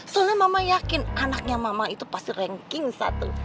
soalnya mama yakin anaknya mama itu pasti ranking satu